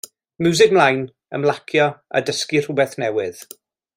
Miwsig ymlaen, ymlacio a dysgu rhywbeth newydd.